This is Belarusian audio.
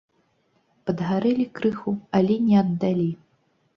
Падгарэлі крыху, але не аддалі.